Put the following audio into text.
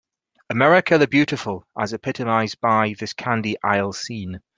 America, the beautiful, as epitomized by this candy isle scene.